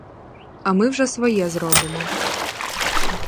А ми вже своє зробимо.